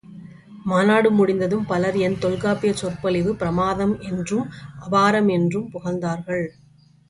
மாநாடு முடிந்ததும் பலர் என் தொல்காப்பியச் சொற்பொழிவு பிரமாதம் என்றும் அபாரம் என்றும் புகழ்ந்தார்கள்.